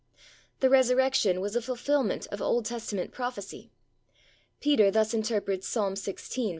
The Resurrection was a fulfilment of Old Testament prophecy. Peter thus interprets Psalm xvi.